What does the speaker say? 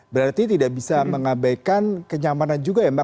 berarti tidak bisa mengabaikan kenyamanan juga ya mbak